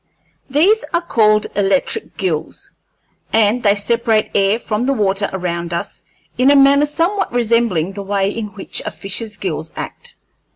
These are called electric gills, and they separate air from the water around us in a manner somewhat resembling the way in which a fish's gills act.